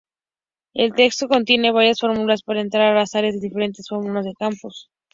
El texto contiene varias fórmulas para encontrar las áreas de diferentes formas de campos.